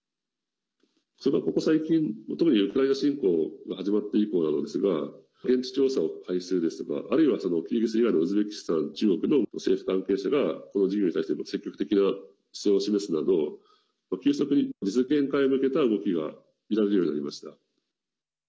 それが、ここ最近特にウクライナ侵攻が始まって以降なのですが現地調査を開始するですとかあるいはキルギス以外のウズベキスタン、中国の政府関係者がこの事業に対しての積極的な姿勢を示すなど急速に実現化へ向けた動きが見られるようになりました。